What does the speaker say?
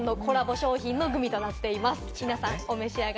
商品のグミとなっています。